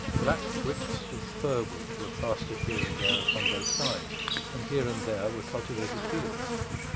Black bricks of fir wood were plastered here and there upon both sides, and here and there were cultivated fields.